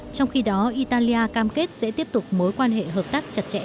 trong khi đó italia cam kết sẽ tiếp tục mối quan hệ hợp tác chặt chẽ